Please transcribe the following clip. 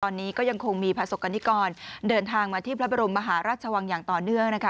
ตอนนี้ก็ยังคงมีประสบกรณิกรเดินทางมาที่พระบรมมหาราชวังอย่างต่อเนื่องนะคะ